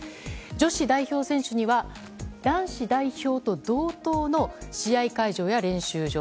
女子代表選手には男子代表と同等の試合会場や練習場